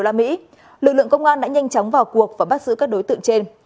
lực lượng công an đã nhanh chóng vào cuộc và bắt giữ các đối tượng trên